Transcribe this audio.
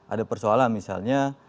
ada persoalan misalnya